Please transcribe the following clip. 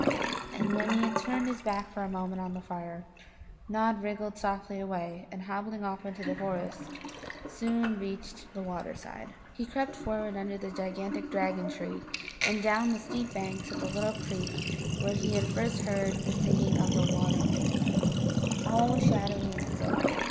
And when he had turned his back for a moment on the fire, Nod wriggled softly away, and, hobbling off into the forest, soon reached the water side. He crept forward under the gigantic dragon tree, and down the steep bank to the little creek where he had first heard the singing of the Water midden. All was shadowy and still.